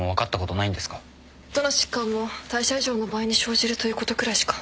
どの疾患も代謝異常の場合に生じるということくらいしか。